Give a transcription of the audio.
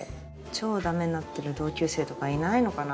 超ダメになってる同級生とかいないのかな？